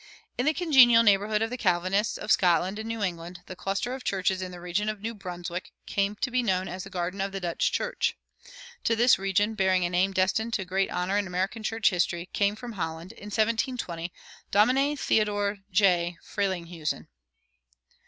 In the congenial neighborhood of the Calvinists of Scotland and New England the cluster of churches in the region of New Brunswick came to be known as "the garden of the Dutch church." To this region, bearing a name destined to great honor in American church history, came from Holland, in 1720, Domine Theodore J. Frelinghuysen.